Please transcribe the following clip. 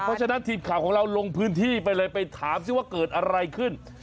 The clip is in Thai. เพราะฉะนั้นทีมข่าวของเราลงพื้นที่ไปเลยไปถามซิว่าเกิดอะไรขึ้น